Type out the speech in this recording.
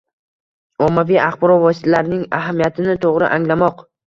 Ommaviy axborot vositalarining ahamiyatini to‘g‘ri anglamoq